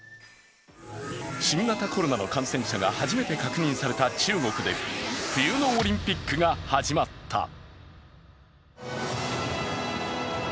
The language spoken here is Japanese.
新型コロナの感染者が初めて確認された中国で冬のオリンピックが始まった。